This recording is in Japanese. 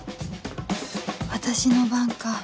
私の番か